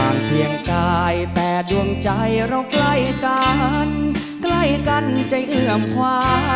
เพียงกายแต่ดวงใจเราใกล้ศาลใกล้กันใจเอื่อมคว้า